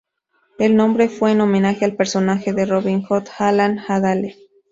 El nombre fue en homenaje al personaje de Robin Hood Alan-a-Dale.